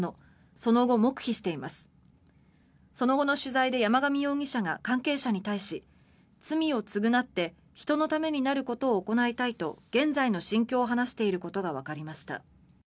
その後の取材で山上容疑者が関係者に対し罪を償って人のためになることを行いたいと現在の心境を話していることがわかりました。